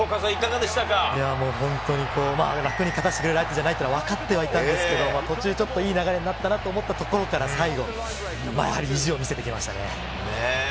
本当に楽に勝たせてくれる相手じゃないとわかってはいたんですけれど、ちょっといい流れになったところから最後、意地を見せてきましたね。